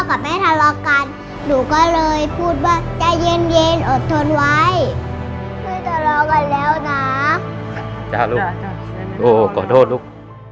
โอ้โหขอโทษลูก